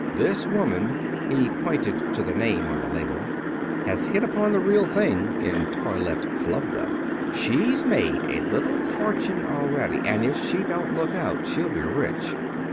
This woman," he pointed to the name on the label, "has hit upon the real thing in toilette flub dub. She's made a little fortune already, and if she don't look out she'll be rich.